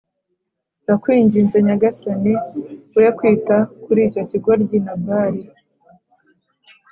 Ndakwinginze Nyagasani, we kwita kuri icyo kigoryi Nabali.